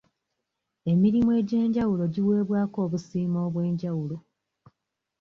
Emirimu egy'enjawulo giweebwako obusiimo obw'enjawulo.